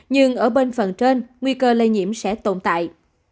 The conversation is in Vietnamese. nhưng ở bên phần trên nguy cơ lây nhiễm sẽ tồn tại